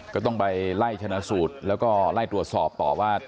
ก็ต้องไปไล่ชนะสูตรแล้วก็ไล่ตรวจสอบต่อว่า